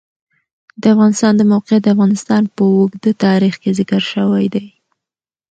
د افغانستان د موقعیت د افغانستان په اوږده تاریخ کې ذکر شوی دی.